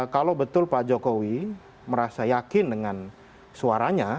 kalau betul pak jokowi merasa yakin dengan suaranya